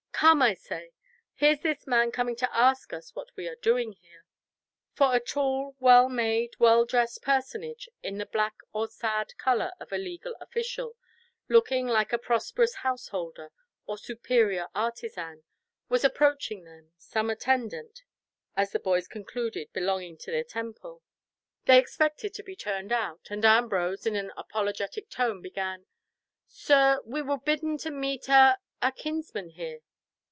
Come, I say—here's this man coming to ask us what we are doing here." For a tall, well made, well dressed personage in the black or sad colour of a legal official, looking like a prosperous householder, or superior artisan, was approaching them, some attendant, as the boys concluded belonging to the Temple. They expected to be turned out, and Ambrose in an apologetic tone, began, "Sir, we were bidden to meet a—a kinsman here."